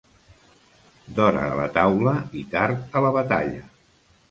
D'hora a la taula i tard a la batalla.